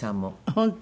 本当？